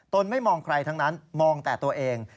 ไม่มองใครทั้งนั้นมองแต่ตัวเอง